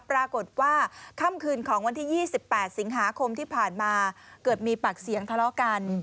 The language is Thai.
ปรากฏว่าค่ำคืนของวันที่๒๘สิงหาคมที่ผ่านมาเกิดมีปากเสียงทะเลาะกัน